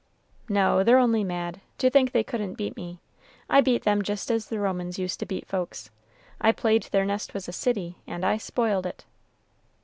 "No, they're only mad, to think they couldn't beat me. I beat them just as the Romans used to beat folks, I played their nest was a city, and I spoiled it."